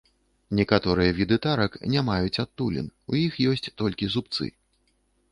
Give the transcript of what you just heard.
Некаторыя віды тарак не маюць адтулін, у іх ёсць толькі зубцы.